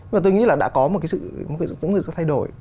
và tôi nghĩ là đã có một cái sự thay đổi